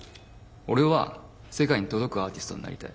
俺は世界に届くアーティストになりたい。